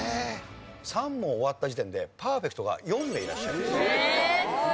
３問終わった時点でパーフェクトが４名いらっしゃいます。